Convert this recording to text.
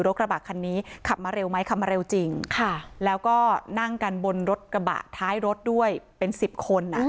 กระบะคันนี้ขับมาเร็วไหมขับมาเร็วจริงค่ะแล้วก็นั่งกันบนรถกระบะท้ายรถด้วยเป็นสิบคนอ่ะ